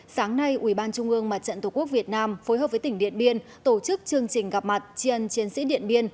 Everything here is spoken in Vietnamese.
sáng nay ubnd mặt trận tổ quốc việt nam phối hợp với tỉnh điện biên tổ chức chương trình gặp mặt chiến chiến sĩ điện biên